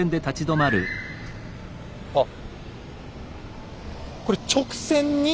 あっ。